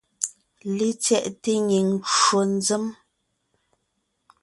LetsyɛꞋte nyìŋ ncwò nzěm.